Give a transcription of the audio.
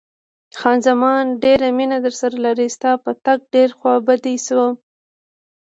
خان زمان: ډېره مینه درسره لرم، ستا په تګ ډېره خوابدې شوم.